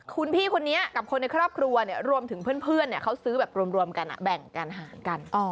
คุณพี่คนนี้กับคนในครอบครัวรวมถึงเพื่อนเขาซื้อแบบรวมกันแบ่งการหารกัน